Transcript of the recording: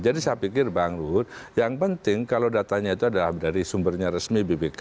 jadi saya pikir bang ruhut yang penting kalau datanya itu adalah dari sumbernya resmi bpk